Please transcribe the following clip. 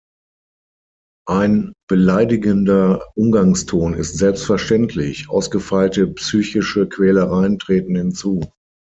Ein beleidigender Umgangston ist selbstverständlich, ausgefeilte psychische Quälereien treten hinzu.